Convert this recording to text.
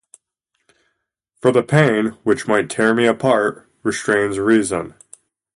For the pain, which might tear me apart, restrains reason.